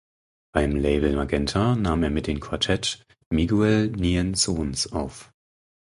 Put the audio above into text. Beim Label "Magenta" nahm er mit den Quartett Miguel Nijensohns auf.